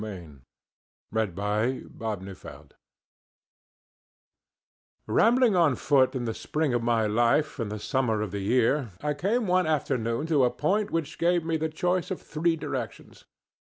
THE SEVEN VAGABONDS Rambling on foot in the spring of my life and the summer of the year, I came one afternoon to a point which gave me the choice of three directions.